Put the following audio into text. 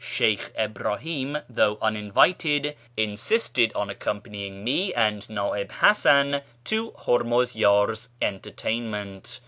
" Sheykh Ibrahim, though uninvited, insisted on accom panying me and Na'ib Hasan to Hurmuzyar's entertainment.